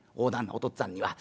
おとっつぁんには。